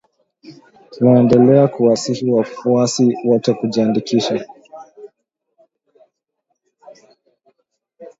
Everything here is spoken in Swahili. Tunaendelea kuwasihi wafuasi wetu kujiandikisha